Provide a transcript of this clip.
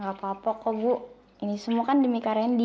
gapapa kok bu ini semua kan demi karendi